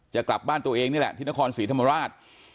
จะกลับบ้านตัวเองนี่แหละที่นครศรีธรรมราช